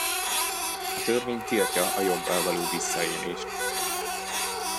A törvény tiltja a joggal való visszaélést.